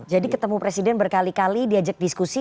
jadi ketemu presiden berkali kali diajak diskusi